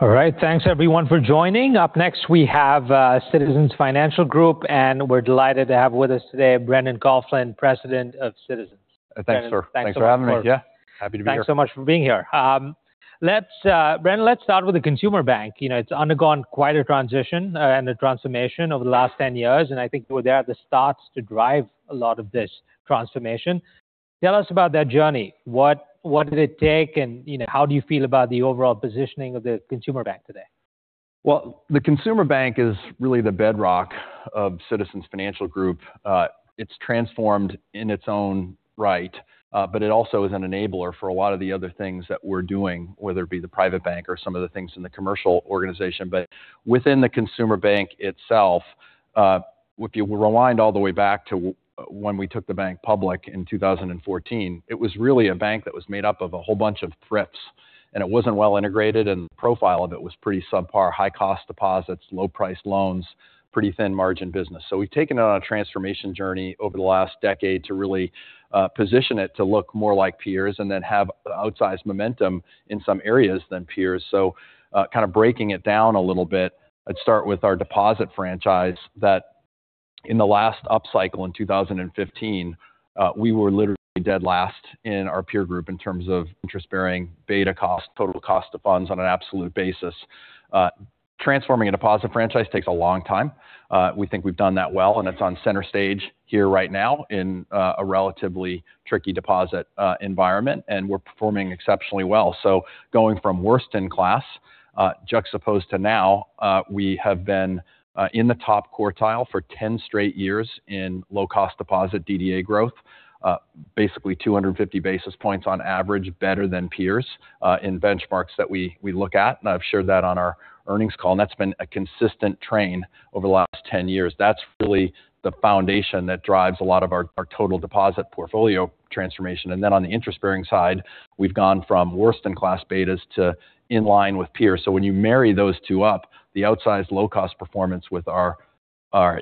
All right. Thanks everyone for joining. Up next, we have Citizens Financial Group. We're delighted to have with us today Brendan Coughlin, President of Citizens. Thanks for- Thanks having me. Yeah. Happy to be here. Thanks so much for being here. Brendan, let's start with the consumer bank. It's undergone quite a transition and a transformation over the last 10 years. I think you were there at the start to drive a lot of this transformation. Tell us about that journey. What did it take? How do you feel about the overall positioning of the consumer bank today? The consumer bank is really the bedrock of Citizens Financial Group. It's transformed in its own right. It also is an enabler for a lot of the other things that we're doing, whether it be the private bank or some of the things in the commercial organization. Within the consumer bank itself, if you rewind all the way back to when we took the bank public in 2014, it was really a bank that was made up of a whole bunch of thrifts, and it wasn't well integrated, and the profile of it was pretty subpar. High-cost deposits. Low-priced loans. Pretty thin-margin business. We've taken it on a transformation journey over the last decade to really position it to look more like peers and then have outsized momentum in some areas than peers. Breaking it down a little bit, I'd start with our deposit franchise that in the last up cycle in 2015, we were literally dead last in our peer group in terms of interest-bearing beta cost, total cost of funds on an absolute basis. Transforming a deposit franchise takes a long time. We think we've done that well, and it's on center stage here right now in a relatively tricky deposit environment, and we're performing exceptionally well. Going from worst in class, juxtaposed to now, we have been in the top quartile for 10 straight years in low-cost deposit DDA growth. Basically, 250 basis points on average better than peers in benchmarks that we look at, and I've shared that on our earnings call, and that's been a consistent trend over the last 10 years. That's really the foundation that drives a lot of our total deposit portfolio transformation. On the interest-bearing side, we've gone from worst in class betas to in line with peers. When you marry those two up, the outsized low-cost performance with our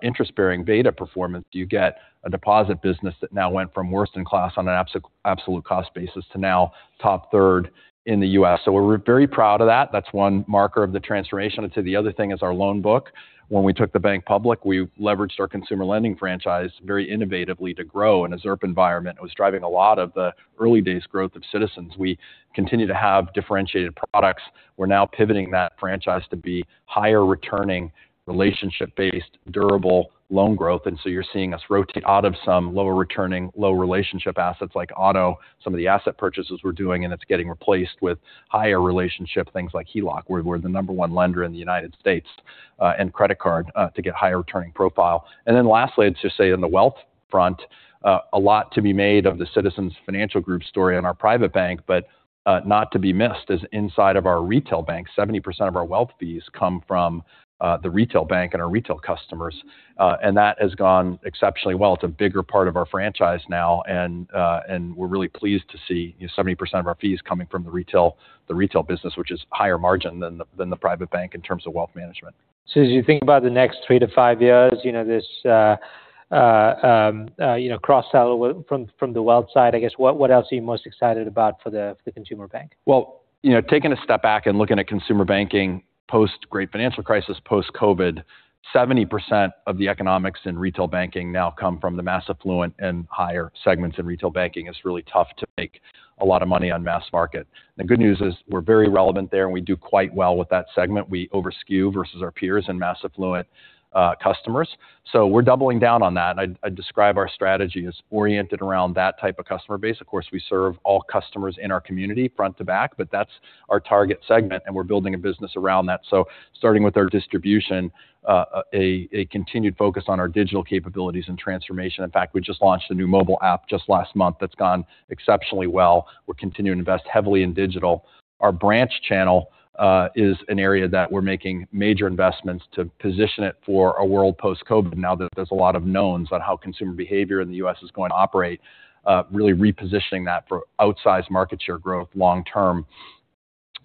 interest-bearing beta performance, you get a deposit business that now went from worst in class on an absolute cost basis to now top third in the U.S. We're very proud of that. That's one marker of the transformation. I'd say the other thing is our loan book. When we took the bank public, we leveraged our consumer lending franchise very innovatively to grow in a ZIRP environment. It was driving a lot of the early days' growth of Citizens. We continue to have differentiated products. We're now pivoting that franchise to be higher returning, relationship-based, durable loan growth. You're seeing us rotate out of some lower returning, low relationship assets like auto, some of the asset purchases we're doing, and it's getting replaced with higher relationship things like HELOC. We're the number one lender in the United States. Credit card to get higher returning profile. Lastly, I'd just say on the wealth front, a lot to be made of the Citizens Financial Group story in our private bank, but not to be missed is inside of our retail bank. 70% of our wealth fees come from the retail bank and our retail customers. That has gone exceptionally well. It's a bigger part of our franchise now. We're really pleased to see 70% of our fees coming from the retail business, which is higher margin than the private bank in terms of wealth management. As you think about the next three to five years, this cross sell from the wealth side, I guess, what else are you most excited about for the consumer bank? Taking a step back and looking at consumer banking post-great financial crisis, post-COVID, 70% of the economics in retail banking now come from the mass affluent and higher segments in retail banking. It's really tough to make a lot of money on mass market. The good news is we're very relevant there, and we do quite well with that segment. We over skew versus our peers in mass affluent customers. We're doubling down on that, and I'd describe our strategy as oriented around that type of customer base. Of course, we serve all customers in our community front to back, but that's our target segment, and we're building a business around that. Starting with our distribution, a continued focus on our digital capabilities and transformation. In fact, we just launched a new mobile app just last month that's gone exceptionally well. We're continuing to invest heavily in digital. Our branch channel is an area that we're making major investments to position it for a world post-COVID now that there's a lot of knowns on how consumer behavior in the U.S. is going to operate. Really repositioning that for outsized market share growth long term.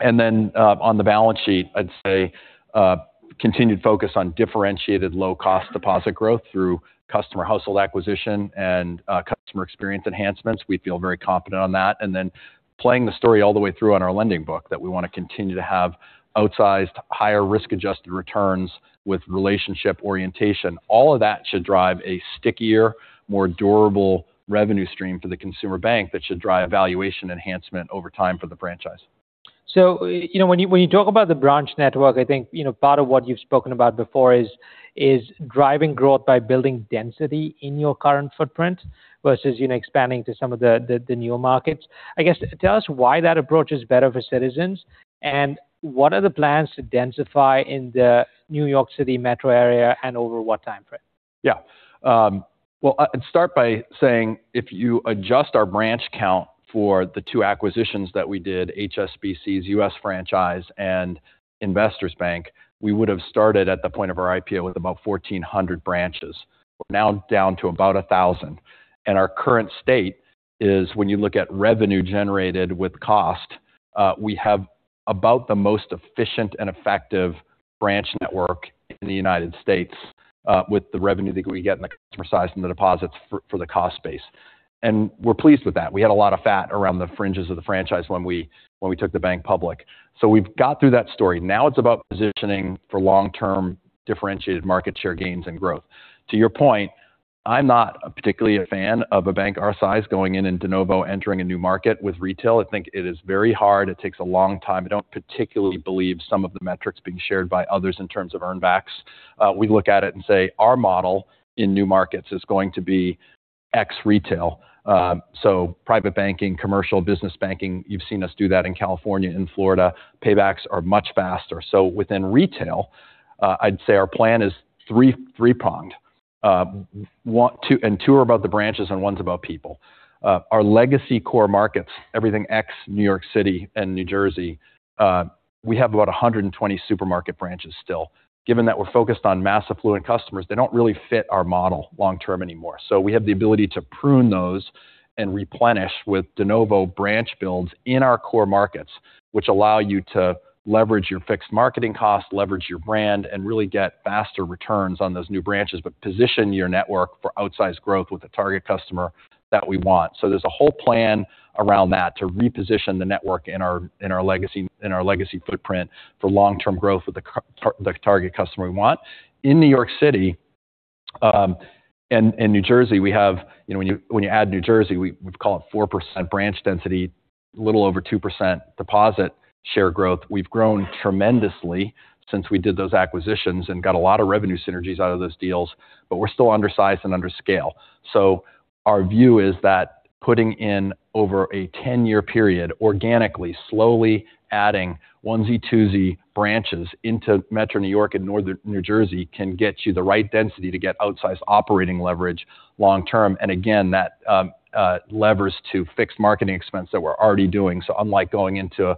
On the balance sheet, I'd say a continued focus on differentiated low-cost deposit growth through customer household acquisition and customer experience enhancements. We feel very confident on that. Playing the story all the way through on our lending book that we want to continue to have outsized higher risk-adjusted returns with relationship orientation. All of that should drive a stickier, more durable revenue stream for the consumer bank that should drive valuation enhancement over time for the franchise. When you talk about the branch network, I think part of what you've spoken about before is driving growth by building density in your current footprint versus expanding to some of the newer markets. I guess tell us why that approach is better for Citizens, and what are the plans to densify in the New York City metro area and over what timeframe? Well, I'd start by saying if you adjust our branch count for the two acquisitions that we did, HSBC's U.S. franchise and Investors Bank, we would've started at the point of our IPO with about 1,400 branches. We're now down to about 1,000. Our current state is when you look at revenue generated with cost, we have about the most efficient and effective branch network in the United States with the revenue that we get and the customer size and the deposits for the cost base. We're pleased with that. We had a lot of fat around the fringes of the franchise when we took the bank public. We've got through that story. Now it's about positioning for long-term differentiated market share gains and growth. To your point, I'm not particularly a fan of a bank our size going in de novo, entering a new market with retail. I think it is very hard. It takes a long time. I don't particularly believe some of the metrics being shared by others in terms of earn backs. We look at it and say our model in new markets is going to be ex-retail. Private banking, commercial business banking, you've seen us do that in California and Florida. Paybacks are much faster. Within retail, I'd say our plan is three-pronged. Two are about the branches and one's about people. Our legacy core markets, everything ex-New York City and New Jersey, we have about 120 supermarket branches still. Given that we're focused on mass affluent customers, they don't really fit our model long term anymore. We have the ability to prune those and replenish with de novo branch builds in our core markets, which allow you to leverage your fixed marketing costs, leverage your brand, and really get faster returns on those new branches, but position your network for outsized growth with the target customer that we want. There's a whole plan around that to reposition the network in our legacy footprint for long-term growth with the target customer we want. In New York City and New Jersey, when you add New Jersey, we call it 4% branch density, little over 2% deposit share growth. We've grown tremendously since we did those acquisitions and got a lot of revenue synergies out of those deals. We're still undersized and under scale. Our view is that putting in over a 10-year period organically, slowly adding onesie-twosie branches into Metro New York and Northern New Jersey can get you the right density to get outsized operating leverage long term. Again, that levers to fixed marketing expense that we're already doing. Unlike going into the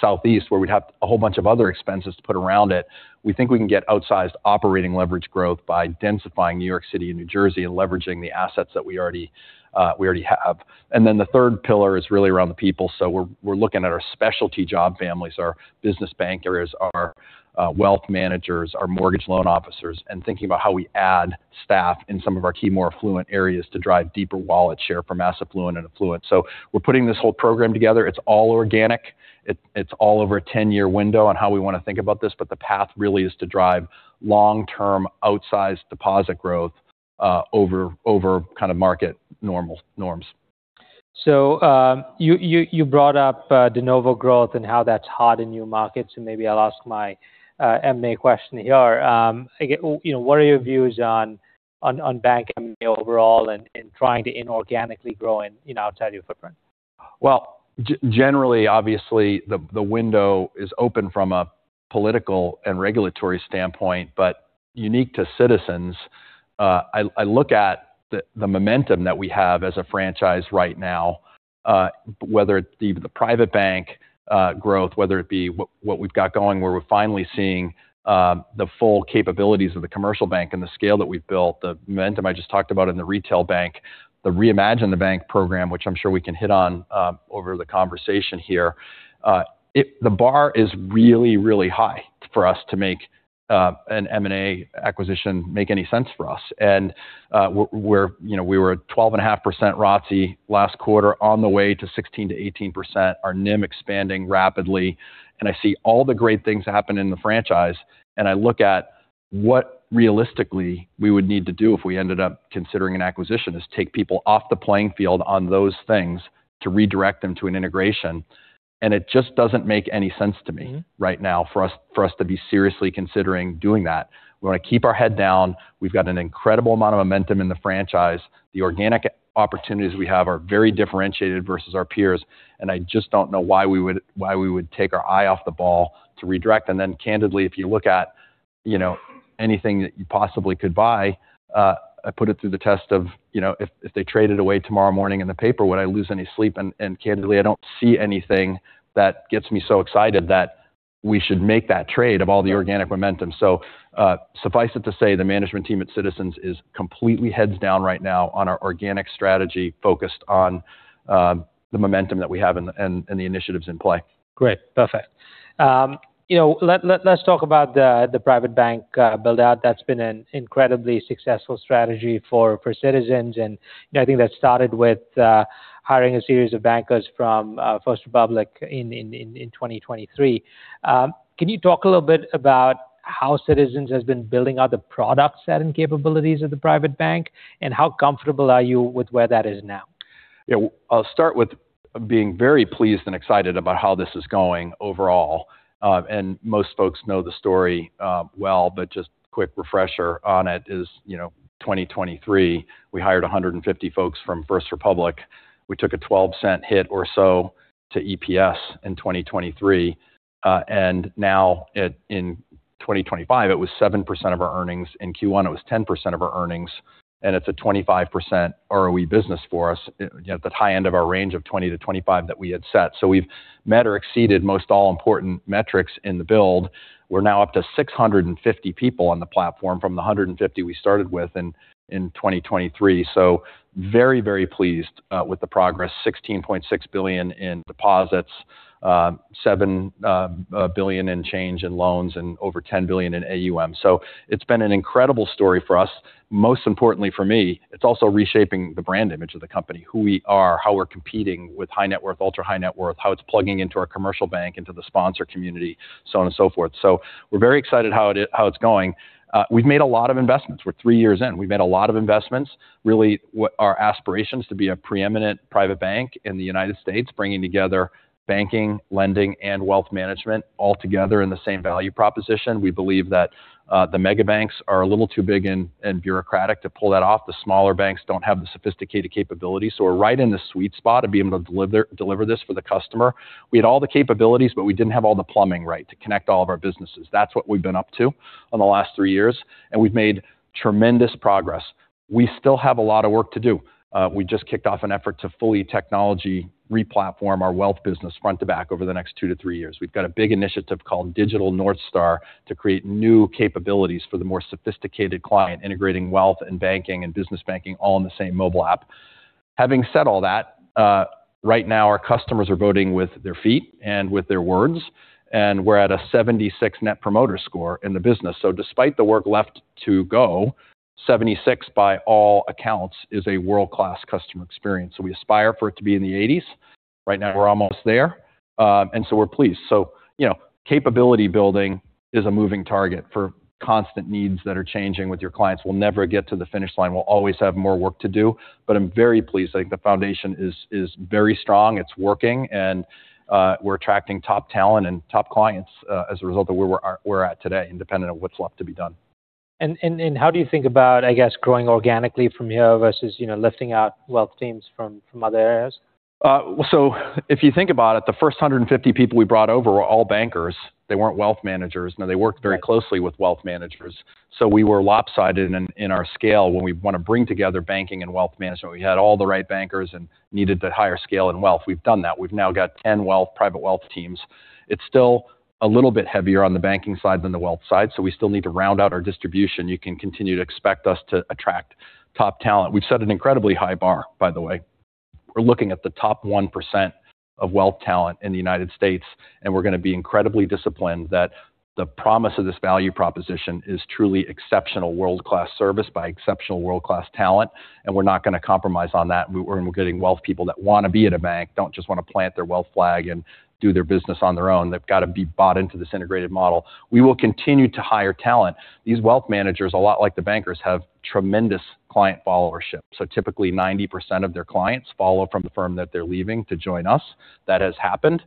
Southeast, where we'd have a whole bunch of other expenses to put around it, we think we can get outsized operating leverage growth by densifying New York City and New Jersey and leveraging the assets that we already have. The third pillar is really around the people. We're looking at our specialty job families, our business bankers, our wealth managers, our mortgage loan officers, and thinking about how we add staff in some of our key more affluent areas to drive deeper wallet share for mass affluent and affluent. We're putting this whole program together. It's all organic. It's all over a 10-year window on how we want to think about this, but the path really is to drive long-term outsized deposit growth over kind of market norms. You brought up de novo growth and how that's hard in new markets, and maybe I'll ask my M&A question here. What are your views on bank M&A overall and trying to inorganically grow outside your footprint? Well, generally, obviously, the window is open from a political and regulatory standpoint, but unique to Citizens. I look at the momentum that we have as a franchise right now, whether it be the private bank growth, whether it be what we've got going, where we're finally seeing the full capabilities of the commercial bank and the scale that we've built, the momentum I just talked about in the retail bank, the Reimagine the Bank program, which I'm sure we can hit on over the conversation here. The bar is really, really high for us to make an M&A acquisition make any sense for us. We were at 12.5% ROTCE last quarter on the way to 16%-18%, our NIM expanding rapidly. I see all the great things happen in the franchise, and I look at what realistically we would need to do if we ended up considering an acquisition, is take people off the playing field on those things to redirect them to an integration. It just doesn't make any sense to me right now for us to be seriously considering doing that. We want to keep our head down. We've got an incredible amount of momentum in the franchise. The organic opportunities we have are very differentiated versus our peers, I just don't know why we would take our eye off the ball to redirect. Candidly, if you look at anything that you possibly could buy, I put it through the test of if they trade it away tomorrow morning in the paper, would I lose any sleep? Candidly, I don't see anything that gets me so excited that we should make that trade of all the organic momentum. Suffice it to say, the management team at Citizens is completely heads down right now on our organic strategy, focused on the momentum that we have and the initiatives in play. Great. Perfect. Let's talk about the private bank build-out. That's been an incredibly successful strategy for Citizens, and I think that started with hiring a series of bankers from First Republic in 2023. Can you talk a little bit about how Citizens has been building out the product set and capabilities of the private bank, and how comfortable are you with where that is now? Yeah. I'll start with being very pleased and excited about how this is going overall. Most folks know the story well, but just a quick refresher on it is 2023, we hired 150 folks from First Republic. We took a $0.12 hit or so to EPS in 2023. In 2025, it was 7% of our earnings. In Q1, it was 10% of our earnings, and it's a 25% ROE business for us at the high end of our range of 20%-25% that we had set. So we've met or exceeded most all important metrics in the build. We are now up to 650 people on the platform from the 150 we started with in 2023. So very, very pleased with the progress. $16.6 billion in deposits, $7 billion in change in loans and over $10 billion in AUM. So it's been an incredible story for us. Most importantly for me, it's also reshaping the brand image of the company, who we are, how we're competing with high net worth, ultra high net worth, how it's plugging into our commercial bank, into the sponsor community, so on and so forth. So we're very excited how it's going. We've made a lot of investments. We are three years in. We've made a lot of investments. Really, our aspiration is to be a preeminent private bank in the United States, bringing together banking, lending, and wealth management all together in the same value proposition. We believe that the mega banks are a little too big and bureaucratic to pull that off. The smaller banks don't have the sophisticated capability. So we're right in the sweet spot of being able to deliver this for the customer. We had all the capabilities, but we didn't have all the plumbing right to connect all of our businesses. That's what we've been up to in the last three years, and we've made tremendous progress. We still have a lot of work to do. We just kicked off an effort to fully technology re-platform our wealth business front to back over the next two to three years. We've got a big initiative called Digital North Star to create new capabilities for the more sophisticated client, integrating wealth and banking and business banking all in the same mobile app. Having said all that, right now our customers are voting with their feet and with their words, and we're at a 76 Net Promoter Score in the business. Despite the work left to go, 76 by all accounts is a world-class customer experience. We aspire for it to be in the 80s. Right now, we're almost there. We're pleased. Capability building is a moving target for constant needs that are changing with your clients. We'll never get to the finish line. We'll always have more work to do. I'm very pleased. I think the foundation is very strong. It's working, and we're attracting top talent and top clients as a result of where we're at today, independent of what's left to be done. How do you think about, I guess, growing organically from here versus lifting out wealth teams from other areas? If you think about it, the first 150 people we brought over were all bankers. They weren't wealth managers. Now, they worked very closely with wealth managers. We were lopsided in our scale when we want to bring together banking and wealth management. We had all the right bankers and needed to hire scale and wealth. We've done that. We've now got 10 private wealth teams. It's still a little bit heavier on the banking side than the wealth side, so we still need to round out our distribution. You can continue to expect us to attract top talent. We've set an incredibly high bar, by the way. We're looking at the top 1% of wealth talent in the U.S. We're going to be incredibly disciplined that the promise of this value proposition is truly exceptional world-class service by exceptional world-class talent. We're not going to compromise on that. We're getting wealth people that want to be at a bank, don't just want to plant their wealth flag and do their business on their own. They've got to be bought into this integrated model. We will continue to hire talent. These wealth managers, a lot like the bankers, have tremendous client followership. Typically, 90% of their clients follow from the firm that they're leaving to join us. That has happened,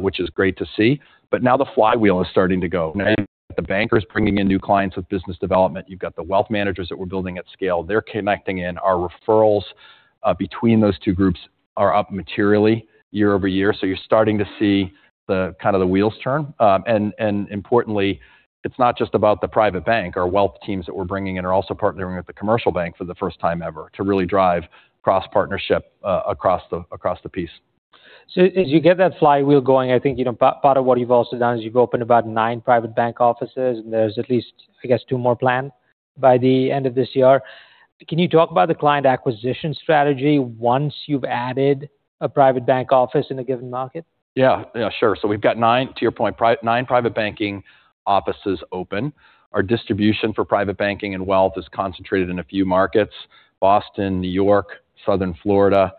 which is great to see. Now the flywheel is starting to go. You've got the bankers bringing in new clients with business development. You've got the wealth managers that we're building at scale. They're connecting in. Our referrals between those two groups are up materially year-over-year. You're starting to see the wheels turn. Importantly, it's not just about the private bank. Our wealth teams that we're bringing in are also partnering with the commercial bank for the first time ever to really drive cross-partnership across the piece. As you get that flywheel going, I think part of what you've also done is you've opened about nine private bank offices, and there's at least, I guess, two more planned by the end of this year. Can you talk about the client acquisition strategy once you've added a private bank office in a given market? Yeah. Sure. We've got nine, to your point, nine private banking offices open. Our distribution for private banking and wealth is concentrated in a few markets, Boston, New York, Southern Florida,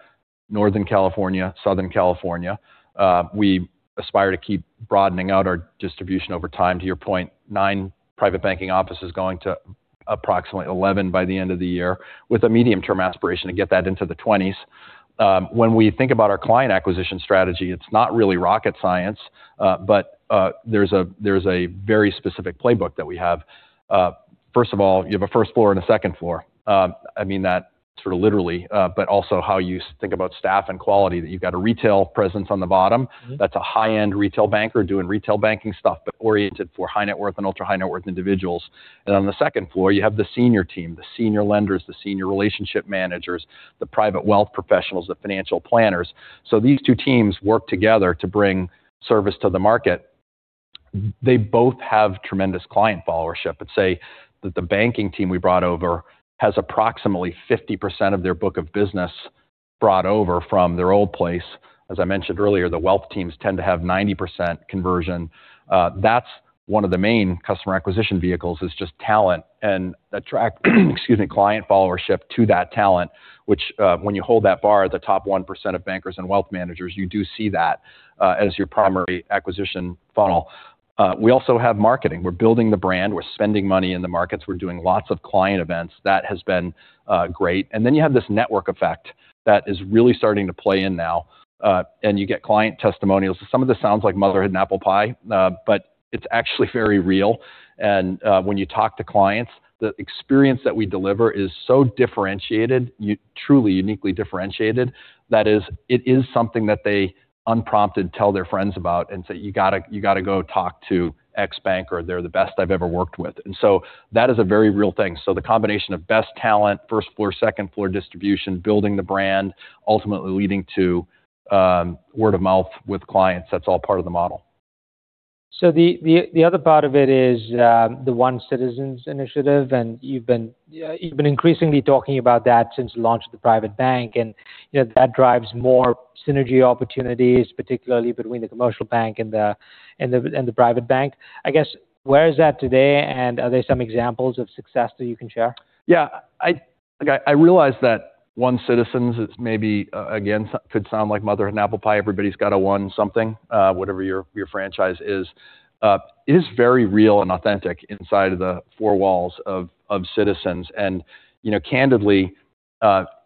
Northern California, Southern California. We aspire to keep broadening out our distribution over time. To your point, nine private banking offices going to approximately 11 by the end of the year, with a medium-term aspiration to get that into the 20s. When we think about our client acquisition strategy, it's not really rocket science, but there's a very specific playbook that we have. First of all, you have a first floor and a second floor. That sort of literally, but also how you think about staff and quality, that you've got a retail presence on the bottom. That's a high-end retail banker doing retail banking stuff but oriented for high net worth and ultra high net worth individuals. On the second floor, you have the senior team, the senior lenders, the senior relationship managers, the private wealth professionals, the financial planners. These two teams work together to bring service to the market. They both have tremendous client followership. I'd say that the banking team we brought over has approximately 50% of their book of business brought over from their old place. As I mentioned earlier, the wealth teams tend to have 90% conversion. That's one of the main customer acquisition vehicles is just talent and attract client followership to that talent, which when you hold that bar at the top 1% of bankers and wealth managers, you do see that as your primary acquisition funnel. We also have marketing. We're building the brand. We're spending money in the markets. We're doing lots of client events. That has been great. Then you have this network effect that is really starting to play in now. You get client testimonials. Some of this sounds like motherhood and apple pie, but it's actually very real. When you talk to clients, the experience that we deliver is so differentiated, truly uniquely differentiated. That is, it is something that they unprompted tell their friends about and say, "You got to go talk to X bank" or "They're the best I've ever worked with." That is a very real thing. The combination of best talent, first floor, second floor distribution, building the brand, ultimately leading to word of mouth with clients, that's all part of the model. The other part of it is the One Citizens initiative, you've been increasingly talking about that since the launch of the private bank. That drives more synergy opportunities, particularly between the commercial bank and the private bank. I guess, where is that today, and are there some examples of success that you can share? Yeah. I realize that One Citizens is maybe, again, could sound like motherhood and apple pie. Everybody's got a One something, whatever your franchise is. It is very real and authentic inside the four walls of Citizens. Candidly,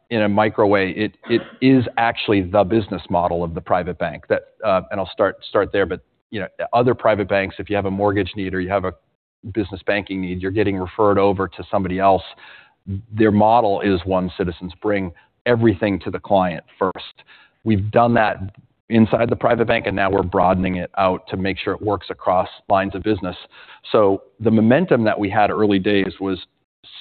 in a micro way, it is actually the business model of the private bank that. I'll start there. Other private banks, if you have a mortgage need or you have a business banking need, you're getting referred over to somebody else. Their model is One Citizens. Bring everything to the client first. We've done that inside the private bank, now we're broadening it out to make sure it works across lines of business. The momentum that we had early days was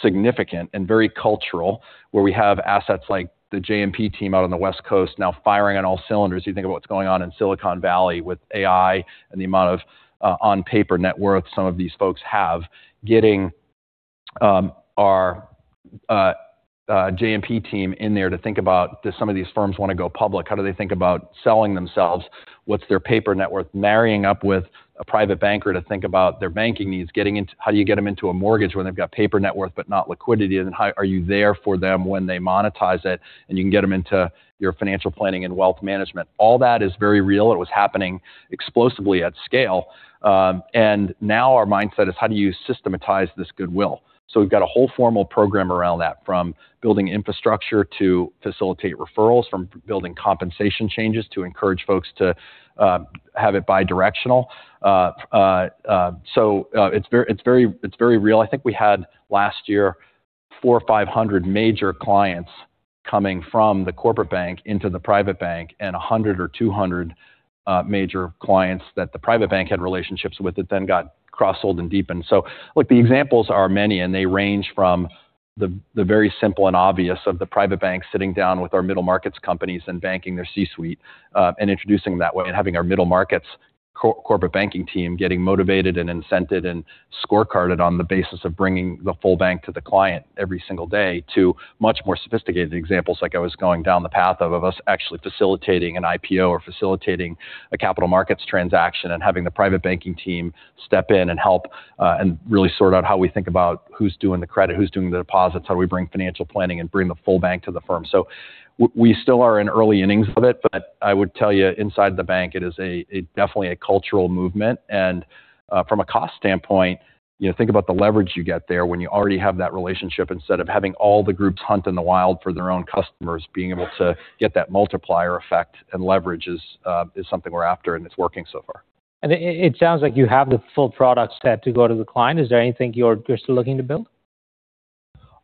significant and very cultural, where we have assets like the JMP team out on the West Coast now firing on all cylinders. You think of what's going on in Silicon Valley with AI and the amount of on-paper net worth some of these folks have. Getting our JMP team in there to think about, do some of these firms want to go public? How do they think about selling themselves? What's their paper net worth? Marrying up with a private banker to think about their banking needs. How do you get them into a mortgage when they've got paper net worth but not liquidity? Are you there for them when they monetize it, and you can get them into your financial planning and wealth management. All that is very real, and it was happening explosively at scale. Now our mindset is, how do you systematize this goodwill? We've got a whole formal program around that, from building infrastructure to facilitate referrals, from building compensation changes to encourage folks to have it bidirectional. It's very real. I think we had last year, 400 or 500 major clients coming from the corporate bank into the private bank, and 100 or 200 major clients that the private bank had relationships with that then got cross-sold and deepened. Look, the examples are many, and they range from the very simple and obvious of the private bank sitting down with our middle markets companies and banking their C-suite, and introducing them that way, and having our middle markets corporate banking team getting motivated and incented and score-carded on the basis of bringing the full bank to the client every single day, to much more sophisticated examples like I was going down the path of us actually facilitating an IPO or facilitating a capital markets transaction and having the private banking team step in and help, and really sort out how we think about who's doing the credit, who's doing the deposits, how do we bring financial planning and bring the full bank to the firm. We still are in early innings of it, but I would tell you inside the bank, it is definitely a cultural movement. From a cost standpoint, think about the leverage you get there when you already have that relationship instead of having all the groups hunt in the wild for their own customers. Being able to get that multiplier effect and leverage is something we're after, and it's working so far. It sounds like you have the full product set to go to the client. Is there anything you're still looking to build?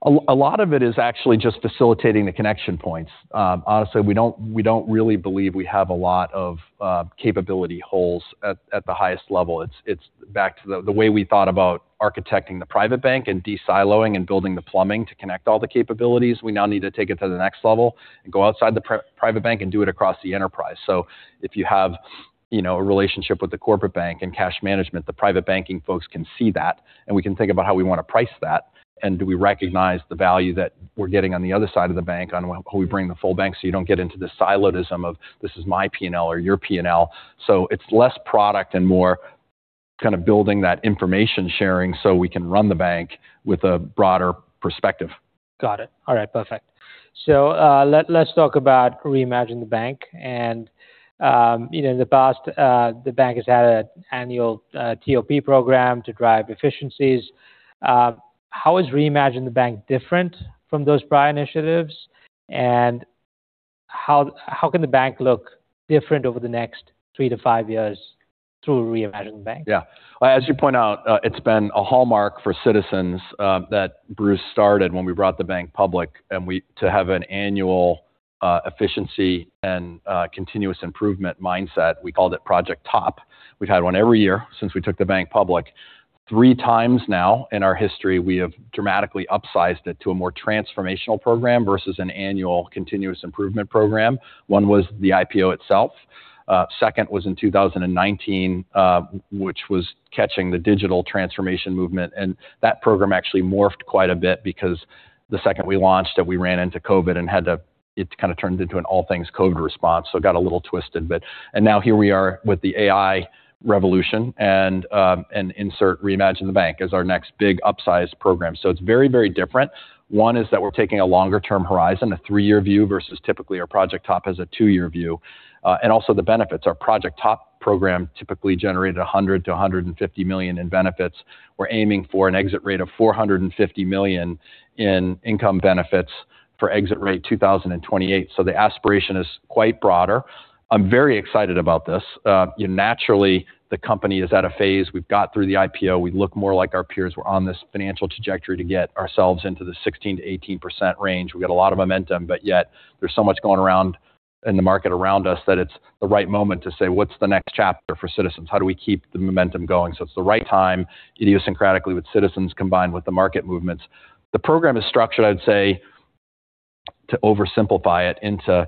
A lot of it is actually just facilitating the connection points. Honestly, we don't really believe we have a lot of capability holes at the highest level. It's back to the way we thought about architecting the Private Bank and de-siloing and building the plumbing to connect all the capabilities. We now need to take it to the next level and go outside the Private Bank and do it across the enterprise. If you have a relationship with the Corporate Bank and cash management, the private banking folks can see that, and we can think about how we want to price that, and do we recognize the value that we're getting on the other side of the bank on we bring the full bank so you don't get into the siloed-ism of this is my P&L or your P&L. It's less product and more kind of building that information sharing so we can run the bank with a broader perspective. Got it. All right, perfect. Let's talk about Reimagine the Bank. In the past, the bank has had an annual TOP program to drive efficiencies. How is Reimagine the Bank different from those prior initiatives? How can the bank look different over the next three to five years through Reimagine the Bank? As you point out, it's been a hallmark for Citizens that Bruce started when we brought the bank public, to have an annual efficiency and continuous improvement mindset. We called it Project TOP. We've had one every year since we took the bank public. Three times now in our history, we have dramatically upsized it to a more transformational program versus an annual continuous improvement program. One was the IPO itself. Second was in 2019, which was catching the digital transformation movement. That program actually morphed quite a bit because the second we launched it, we ran into COVID, and it kind of turned into an all things COVID response. It got a little twisted a bit. Now here we are with the AI revolution and insert Reimagine the Bank as our next big upsized program. It's very, very different. One is that we're taking a longer-term horizon, a three-year view versus typically our Project TOP has a two-year view. Also the benefits. Our Project TOP program typically generated $100 million to $150 million in benefits. We're aiming for an exit rate of $450 million in income benefits for exit rate 2028. The aspiration is quite broader. I'm very excited about this. Naturally, the company is at a phase. We've got through the IPO. We look more like our peers. We're on this financial trajectory to get ourselves into the 16%-18% range. We've got a lot of momentum, but yet there's so much going around in the market around us that it's the right moment to say, what's the next chapter for Citizens? How do we keep the momentum going? It's the right time idiosyncratically with Citizens combined with the market movements. The program is structured, I'd say to oversimplify it into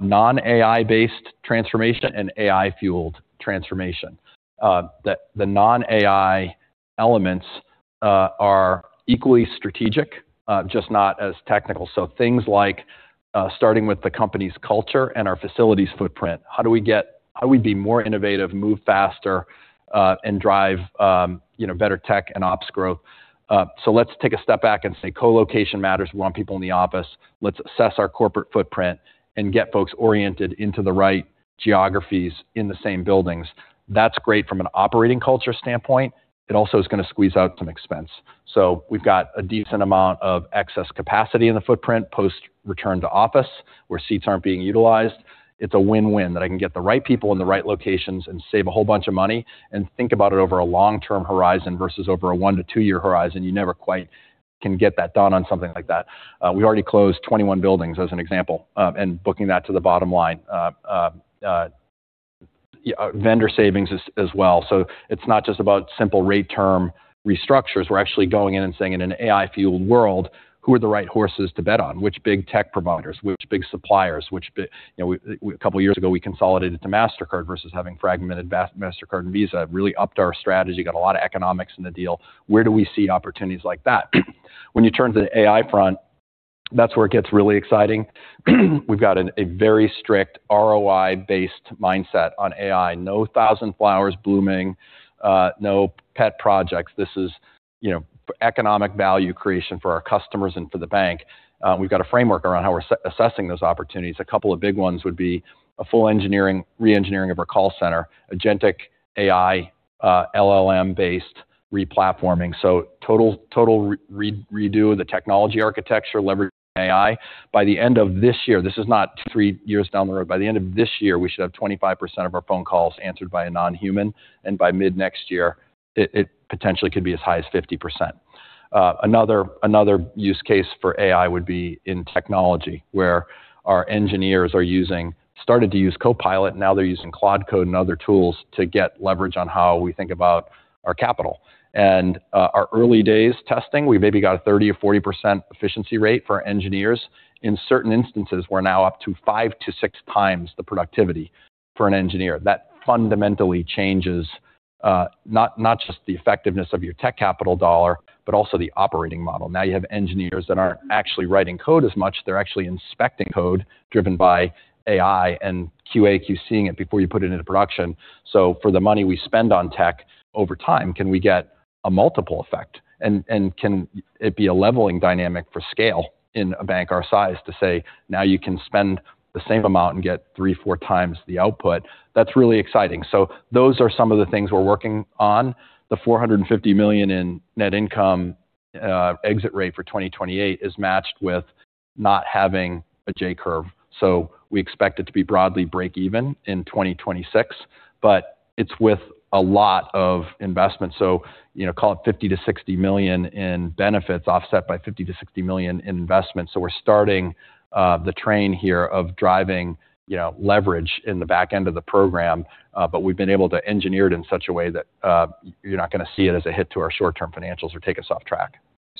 non-AI based transformation and AI-fueled transformation. The non-AI elements are equally strategic just not as technical. Things like starting with the company's culture and our facilities footprint. How do we be more innovative, move faster, and drive better tech and ops growth? Let's take a step back and say co-location matters. We want people in the office. Let's assess our corporate footprint and get folks oriented into the right geographies in the same buildings. That's great from an operating culture standpoint. It also is going to squeeze out some expense. We've got a decent amount of excess capacity in the footprint post return to office where seats aren't being utilized. It's a win-win that I can get the right people in the right locations and save a whole bunch of money, and think about it over a long-term horizon versus over a one to two-year horizon. You never quite can get that done on something like that. We already closed 21 buildings as an example, and booking that to the bottom line. Vendor savings as well. It's not just about simple rate term restructures. We're actually going in and saying in an AI-fueled world, who are the right horses to bet on? Which big tech providers, which big suppliers? A couple of years ago, we consolidated to Mastercard versus having fragmented Mastercard and Visa. Really upped our strategy. Got a lot of economics in the deal. Where do we see opportunities like that? When you turn to the AI front, that's where it gets really exciting. We've got a very strict ROI-based mindset on AI. No thousand flowers blooming, no pet projects. This is economic value creation for our customers and for the bank. We've got a framework around how we're assessing those opportunities. A couple of big ones would be a full re-engineering of our call center, agentic AI, LLM-based replatforming. Total redo of the technology architecture leveraging AI. By the end of this year, this is not two or three years down the road. By the end of this year, we should have 25% of our phone calls answered by a non-human, and by mid next year, it potentially could be as high as 50%. Another use case for AI would be in technology where our engineers started to use Copilot, now they're using Claude Code and other tools to get leverage on how we think about our capital. Our early days testing, we maybe got a 30% or 40% efficiency rate for engineers. In certain instances, we're now up to five to six times the productivity for an engineer. That fundamentally changes not just the effectiveness of your tech capital dollar, but also the operating model. Now you have engineers that aren't actually writing code as much. They're actually inspecting code driven by AI and QA/QC-ing it before you put it into production. For the money we spend on tech over time, can we get a multiple effect, and can it be a leveling dynamic for scale in a bank our size to say, now you can spend the same amount and get three, four times the output. That's really exciting. Those are some of the things we're working on. The $450 million in net income exit rate for 2028 is matched with not having a J curve. We expect it to be broadly breakeven in 2026, but it's with a lot of investment. Call it $50 million to $60 million in benefits offset by $50 million to $60 million in investment. We're starting the train here of driving leverage in the back end of the program. We've been able to engineer it in such a way that you're not going to see it as a hit to our short-term financials or take us off track.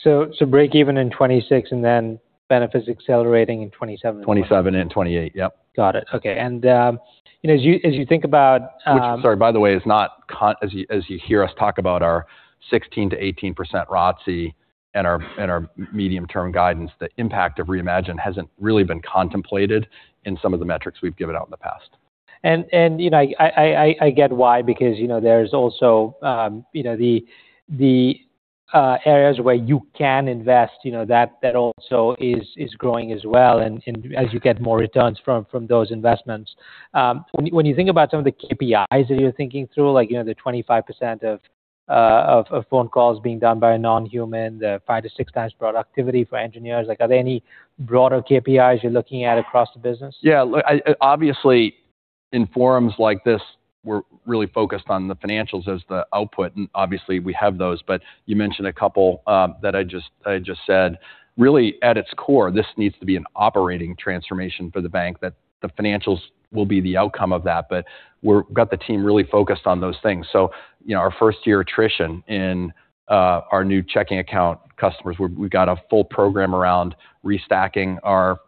Breakeven in 2026, benefits accelerating in 2027 and 2028. 2027 and 2028. Yep. Got it. Okay. Sorry, by the way, as you hear us talk about our 16%-18% ROTCE and our medium-term guidance, the impact of Reimagine hasn't really been contemplated in some of the metrics we've given out in the past. I get why, because there's also the areas where you can invest, that also is growing as well, and as you get more returns from those investments. When you think about some of the KPIs that you're thinking through, like the 25% of phone calls being done by a non-human, the five to six times productivity for engineers, are there any broader KPIs you're looking at across the business? Yeah. Obviously in forums like this, we're really focused on the financials as the output, and obviously we have those. You mentioned a couple that I just said. Really at its core, this needs to be an operating transformation for the bank, that the financials will be the outcome of that. We've got the team really focused on those things. Our first year attrition in our new checking account customers. We've got a full program around restacking our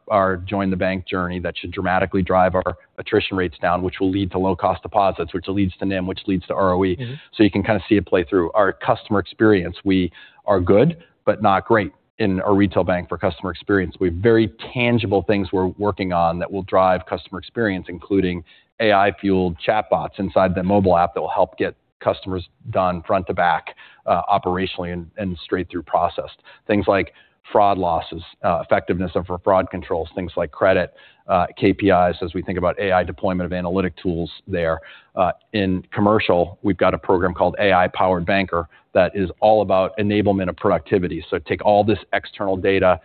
Join the Bank journey that should dramatically drive our attrition rates down, which will lead to low-cost deposits, which leads to NIM, which leads to ROE. You can kind of see it play through. Our customer experience. We are good but not great in our retail bank for customer experience. We have very tangible things we're working on that will drive customer experience, including AI-fueled chatbots inside the mobile app that will help get customers done front to back operationally and straight through processed. Things like fraud losses, effectiveness of our fraud controls, things like credit, KPIs as we think about AI deployment of analytic tools there. In commercial, we've got a program called AI Powered Banker that is all about enablement of productivity. Take all this external data,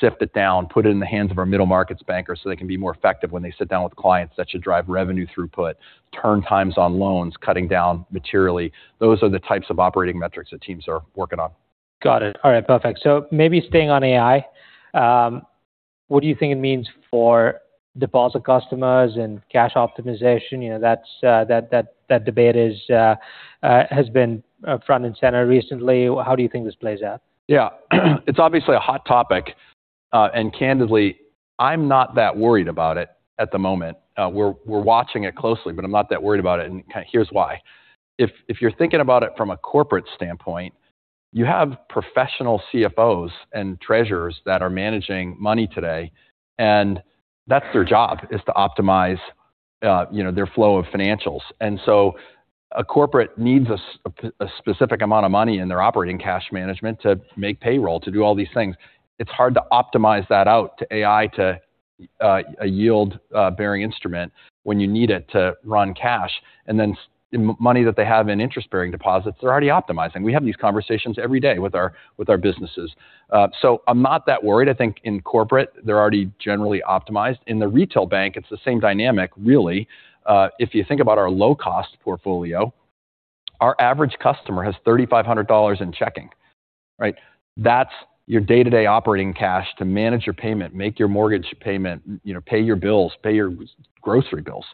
sift it down, put it in the hands of our middle markets bankers so they can be more effective when they sit down with clients. That should drive revenue throughput, turn times on loans, cutting down materially. Those are the types of operating metrics that teams are working on. Got it. All right. Perfect. Maybe staying on AI. What do you think it means for deposit customers and cash optimization? That debate has been front and center recently. How do you think this plays out? Yeah. It's obviously a hot topic. Candidly, I'm not that worried about it at the moment. We're watching it closely. I'm not that worried about it. Here's why. If you're thinking about it from a corporate standpoint, you have professional CFOs and treasurers that are managing money today, and that's their job is to optimize their flow of financials. A corporate needs a specific amount of money in their operating cash management to make payroll, to do all these things. It's hard to optimize that out to AI to a yield-bearing instrument when you need it to run cash. Money that they have in interest-bearing deposits, they're already optimizing. We have these conversations every day with our businesses. I'm not that worried. I think in corporate, they're already generally optimized. In the retail bank, it's the same dynamic really. If you think about our low-cost portfolio, our average customer has $3,500 in checking. Right? That's your day-to-day operating cash to manage your payment, make your mortgage payment, pay your bills, pay your grocery bills.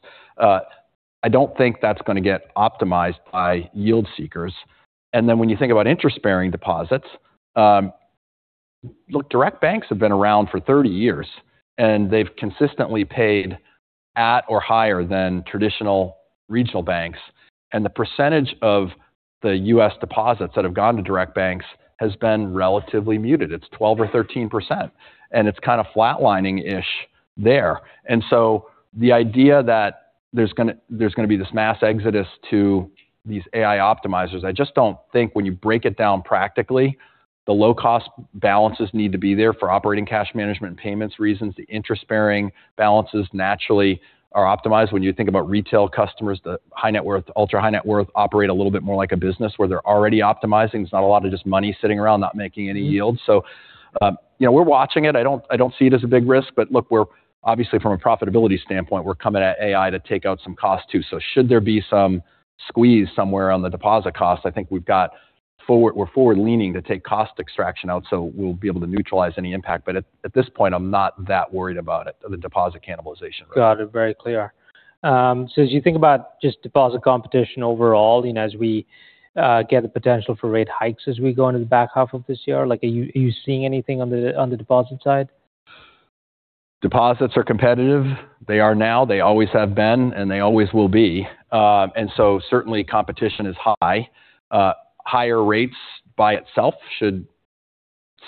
I don't think that's going to get optimized by yield seekers. When you think about interest-bearing deposits, look, direct banks have been around for 30 years. They've consistently paid at or higher than traditional regional banks. The percentage of the U.S. deposits that have gone to direct banks has been relatively muted. It's 12% or 13%, and it's kind of flatlining-ish there. The idea that there's going to be this mass exodus to these AI optimizers, I just don't think when you break it down practically, the low-cost balances need to be there for operating cash management and payments reasons. The interest-bearing balances naturally are optimized when you think about retail customers. The high net worth, ultra high net worth operate a little bit more like a business where they're already optimizing. There's not a lot of just money sitting around not making any yield. We're watching it. I don't see it as a big risk. Look, obviously from a profitability standpoint, we're coming at AI to take out some cost too. Should there be some squeeze somewhere on the deposit cost, I think we're forward leaning to take cost extraction out, so we'll be able to neutralize any impact. At this point, I'm not that worried about it, the deposit cannibalization. Got it. Very clear. As you think about just deposit competition overall as we get the potential for rate hikes as we go into the back half of this year, are you seeing anything on the deposit side? Deposits are competitive. They are now, they always have been, and they always will be. Certainly competition is high. Higher rates by itself should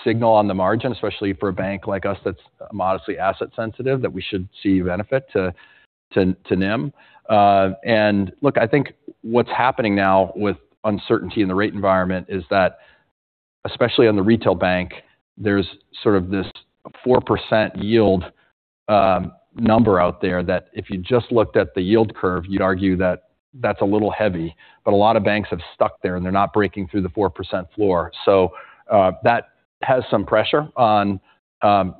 signal on the margin, especially for a bank like us that's modestly asset sensitive, that we should see benefit to NIM. Look, I think what's happening now with uncertainty in the rate environment is that especially on the retail bank, there's sort of this 4% yield number out there that if you just looked at the yield curve, you'd argue that that's a little heavy. A lot of banks have stuck there and they're not breaking through the 4% floor. That has some pressure on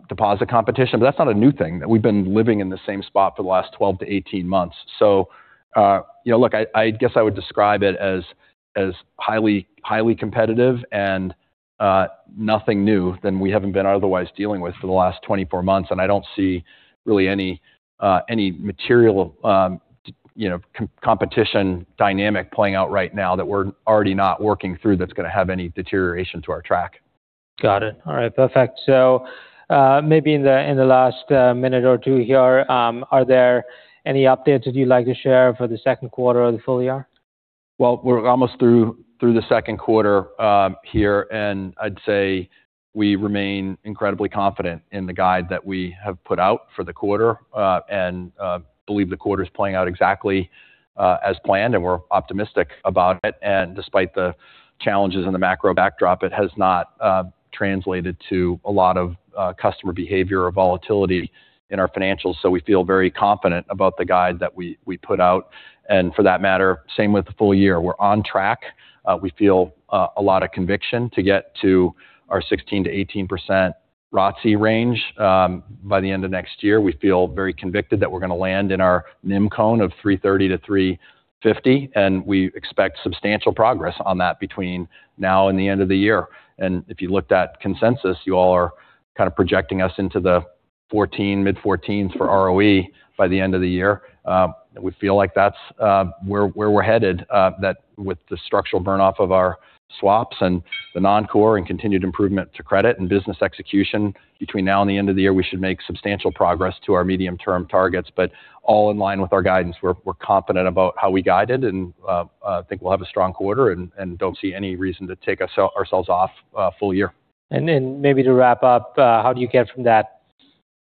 deposit competition, but that's not a new thing. We've been living in the same spot for the last 12 to 18 months. Look, I guess I would describe it as highly competitive and nothing new than we haven't been otherwise dealing with for the last 24 months. I don't see really any material competition dynamic playing out right now that we're already not working through that's going to have any deterioration to our track. Got it. All right. Perfect. Maybe in the last minute or two here, are there any updates that you'd like to share for the second quarter or the full year? We're almost through the second quarter here. I'd say we remain incredibly confident in the guide that we have put out for the quarter. Believe the quarter's playing out exactly as planned, and we're optimistic about it. Despite the challenges in the macro backdrop, it has not translated to a lot of customer behavior or volatility in our financials. We feel very confident about the guide that we put out. For that matter, same with the full year. We're on track. We feel a lot of conviction to get to our 16%-18% ROTCE range by the end of next year. We feel very convicted that we're going to land in our NIM cone of 330-350, and we expect substantial progress on that between now and the end of the year. If you looked at consensus, you all are kind of projecting us into the mid 14s for ROE by the end of the year. We feel like that's where we're headed. That with the structural burn-off of our swaps and the non-core, continued improvement to credit and business execution between now and the end of the year, we should make substantial progress to our medium-term targets. All in line with our guidance. We're confident about how we guided and think we'll have a strong quarter and don't see any reason to take ourselves off full year. Maybe to wrap up, how do you get from that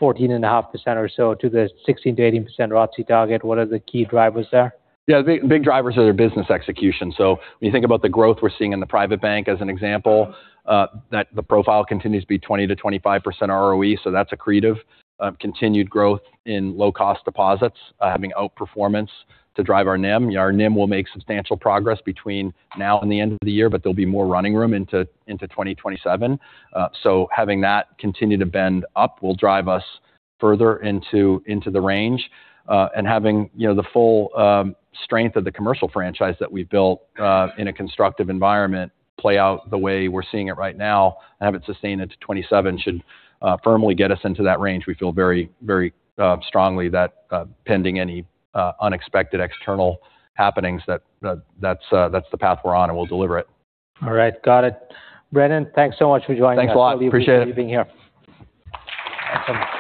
14.5% or so to the 16%-18% ROTCE target? What are the key drivers there? Big drivers are their business execution. When you think about the growth we're seeing in the private bank, as an example, that the profile continues to be 20%-25% ROE, so that's accretive. Continued growth in low-cost deposits having outperformance to drive our NIM. Our NIM will make substantial progress between now and the end of the year, but there'll be more running room into 2027. Having that continue to bend up will drive us further into the range. Having the full strength of the commercial franchise that we've built in a constructive environment play out the way we're seeing it right now and have it sustained into 2027 should firmly get us into that range. We feel very strongly that pending any unexpected external happenings, that's the path we're on, and we'll deliver it. All right. Got it. Brendan, thanks so much for joining us. Thanks a lot. Appreciate it. Thank you for being here. Awesome.